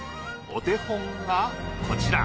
お手本がこちら。